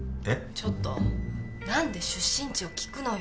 ちょっと何で出身地を聞くのよ？